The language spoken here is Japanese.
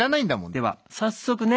では早速ね